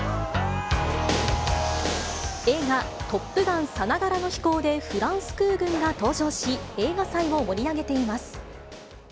映画、トップガンさながらの飛行でフランス空軍が登場し、映画祭を盛り上げています。